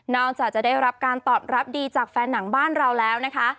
จะได้รับการตอบรับดีจากแฟนหนังบ้านเราแล้วนะคะ